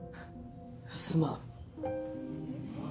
すまん。